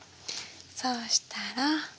そうしたら。